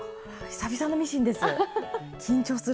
久々のミシンです！